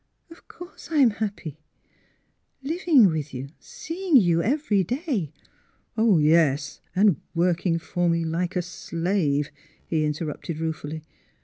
Of course I'm happy; — living with you, seeing you every day "" Yes, and working for me like a slave," he interrupted ruefully.